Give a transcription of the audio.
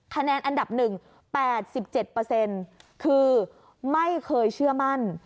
คะแนนอันดับ๑๘๗คือไม่เคยเชื่อมั่น